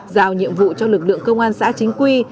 giao nhiệm vụ cho lực lượng công an xã chính quy